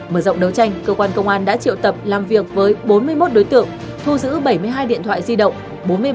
mở rộng đấu tranh cơ quan công an đã triệu tập làm việc với bốn mươi một đối tượng thu giữ bảy mươi hai điện thoại di động